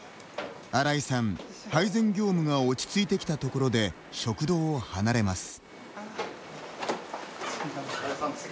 荒井さん、配膳業務が落ち着いてきたところで食堂を離れます。